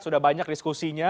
sudah banyak diskusinya